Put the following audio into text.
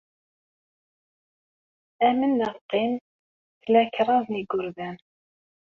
Amen neɣ qqim, tla kraḍ n yigerdan.